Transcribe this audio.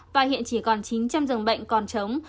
và hiện chỉ còn chín trăm linh giường bệnh còn chống